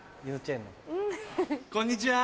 こんにちは！